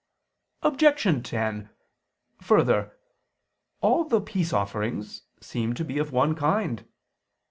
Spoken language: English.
Objection 10: Further, all the peace offerings seem to be of one kind.